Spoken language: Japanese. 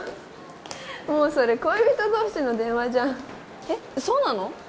もうそれ恋人同士の電話じゃんえっそうなの？